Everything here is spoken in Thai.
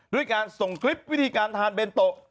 ด้วยการส่งคลิปวิธีการทานเบนโต